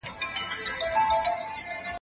هغوی اوس د برس کولو عادت بدلوي.